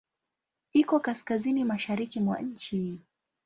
Iko kaskazini-mashariki mwa nchi.